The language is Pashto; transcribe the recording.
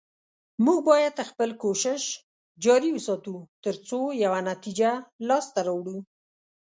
موږ باید خپل کوشش جاري وساتو، تر څو یوه نتیجه لاسته راوړو